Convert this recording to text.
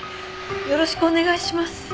よろしくお願いします。